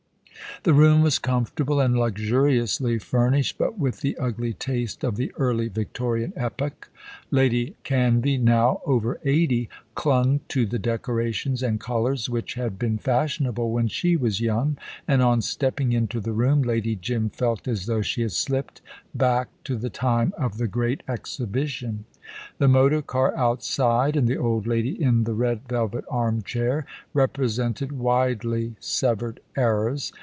The room was comfortable, and luxuriously furnished, but with the ugly taste of the Early Victorian epoch. Lady Canvey, now over eighty, clung to the decorations and colours which had been fashionable when she was young, and on stepping into the room Lady Jim felt as though she had slipped back to the time of the Great Exhibition. The motor car outside, and the old lady in the red velvet armchair, represented widely severed eras.